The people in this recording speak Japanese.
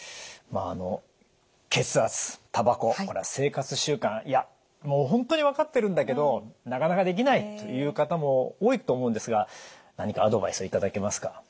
まああの血圧タバコ生活習慣いやもう本当に分かってるんだけどなかなかできないという方も多いと思うんですが何かアドバイスを頂けますか？